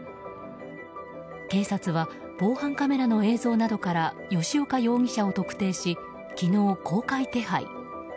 警察は防犯カメラの映像などから吉岡容疑者を特定し昨日、公開手配。